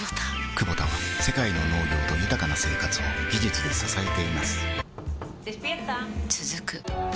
クボタは世界の農業と豊かな生活を技術で支えています起きて。